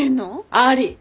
あり！